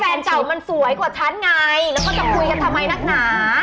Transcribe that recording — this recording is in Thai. แฟนเก่ามันสวยกว่าฉันไงแล้วก็จะคุยกันทำไมนักหนา